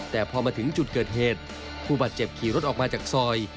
แต่พอมาถึงจุดเกิดเหตุผู้บาดเจ็บขี่รถออกมาจากซอย